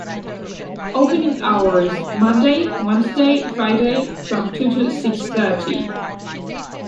Opening hours: Monday, Wednesday, Friday, from two to six thirty.